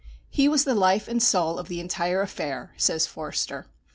"He was the life and soul of the entire affair," says Forster.